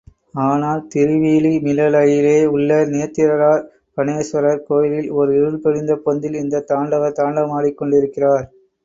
ஆனால் திருவீழிமிழலையிலே உள்ள நேத்திரார்பணேஸ்வரர் கோயிலில் ஓர் இருள் படிந்த பொந்திலே இந்த தாண்டவர் தாண்டவமாடிக் கொண்டிருக்கிறார்.